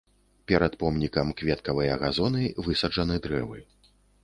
Перад помнікам кветкавыя газоны, высаджаны дрэвы.